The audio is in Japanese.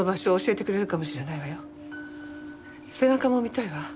背中も見たいわ。